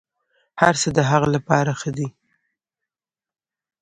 هرڅه د هغه لپاره ښه دي.